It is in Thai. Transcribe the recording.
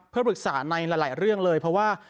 เพื่อปรึกษาในหลายเรื่องเลยเพราะว่า